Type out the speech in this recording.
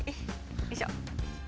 よいしょ。